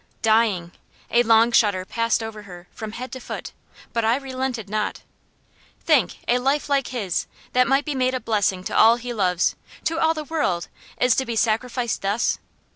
"Dying!" A long shudder passed over her, from head to foot but I relented not. "Think a life like his, that might be made a blessing to all he loves to all the world is it to be sacrificed thus?